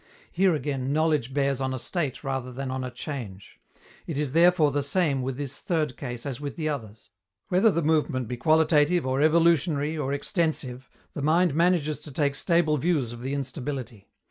Here again knowledge bears on a state rather than on a change. It is therefore the same with this third case as with the others. Whether the movement be qualitative or evolutionary or extensive, the mind manages to take stable views of the instability.